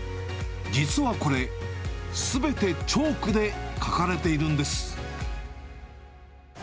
実はこれ、すべてチョークで描かれているんです。